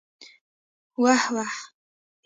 ويح ويح.